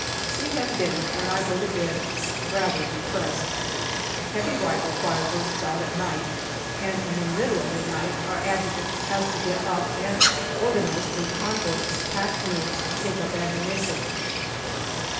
We have dinner, and I go to bed rather depressed. Heavy rifle fire bursts out at night, and in the middle of the night our Adjutant has to get up and organize a convoy of pack mules to take up ammunition.